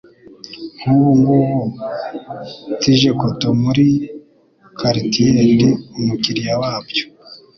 Nk'ubu ngubu tige-cotton muri karitiye, ndi umukiliya wabyo